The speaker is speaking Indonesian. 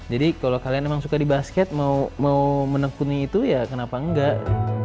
jadi kalau kalian emang suka di basket mau menekuni itu ya kenapa nggak